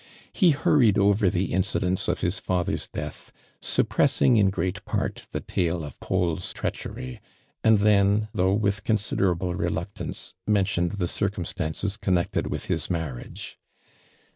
Ho hurriinl over the incidents of liis father's death, suppress ing in great part, tho tale of Paul's treaeli ery; and then, thougli with consideraltb" reluctance, mentioned tho circumstances connected with his marriage.